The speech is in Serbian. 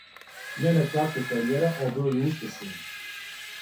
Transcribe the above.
Њена кратка каријера обилује успесима.